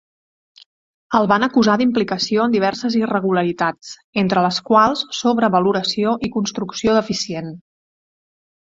El van acusar d'implicació en diverses irregularitats, entre les quals sobrevaloració i construcció deficient.